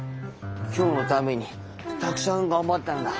今日のためにたくさん頑張ったんだ。